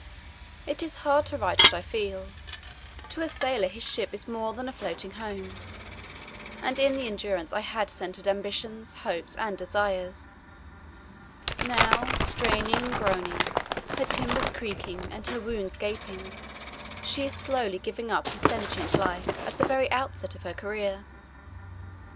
It is hard to write what I feel. To a sailor his ship is more than a floating home, and in the Endurance I had centred ambitions, hopes, and desires. Now, straining and groaning, her timbers cracking and her wounds gaping, she is slowly giving up her sentient life at the very outset of her career.